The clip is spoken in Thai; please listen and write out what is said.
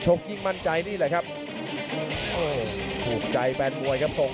ยิ่งมั่นใจนี่แหละครับเออถูกใจแฟนมวยครับผม